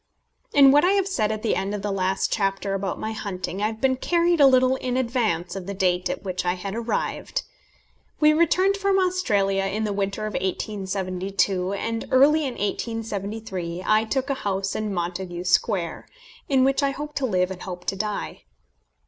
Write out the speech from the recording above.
In what I have said at the end of the last chapter about my hunting, I have been carried a little in advance of the date at which I had arrived. We returned from Australia in the winter of 1872, and early in 1873 I took a house in Montagu Square, in which I hope to live and hope to die.